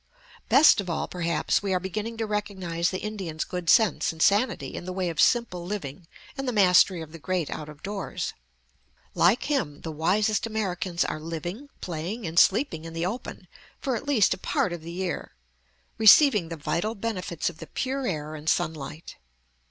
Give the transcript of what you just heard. Best of all, perhaps, we are beginning to recognize the Indian's good sense and sanity in the way of simple living and the mastery of the great out of doors. Like him, the wisest Americans are living, playing, and sleeping in the open for at least a part of the year, receiving the vital benefits of the pure air and sunlight.